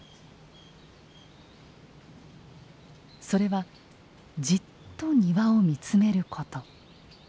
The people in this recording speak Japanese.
それはじっと庭を見つめること。